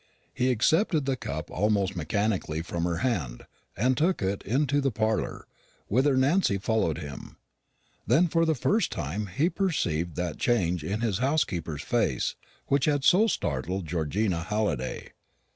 He accepted the cup almost mechanically from her hand, and took it into the parlour, whither Nancy followed him. Then for the first time he perceived that change in his housekeeper's face which had so startled Georgina Halliday.